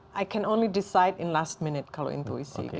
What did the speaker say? saya hanya bisa memutuskan di saat akhir kalau intuisi